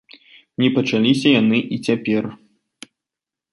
Не пачаліся яны і цяпер.